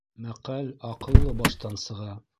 Мәҡәл аҡыллы баштан сыға.